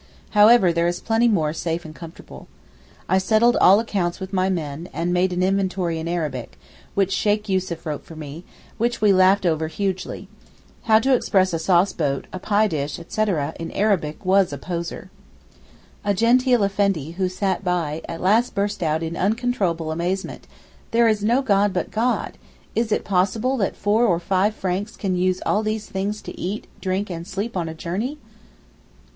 However there is plenty more safe and comfortable. I settled all accounts with my men, and made an inventory in Arabic, which Sheykh Yussuf wrote for me, which we laughed over hugely. How to express a sauce boat, a pie dish, etc. in Arabic, was a poser. A genteel Effendi, who sat by, at last burst out in uncontrollable amazement; 'There is no God but God: is it possible that four or five Franks can use all these things to eat, drink and sleep on a journey?